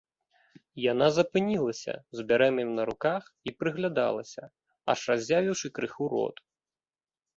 Яна запынілася з бярэмем на руках і прыглядалася, аж разявіўшы крыху рот.